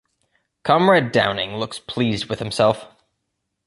Comrade Downing looks pleased with himself.